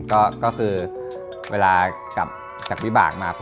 ก็คือเวลากลับจากวิบากมา